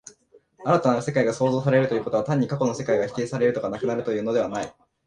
新たなる世界が創造せられるということは、単に過去の世界が否定せられるとか、なくなるとかいうのではない。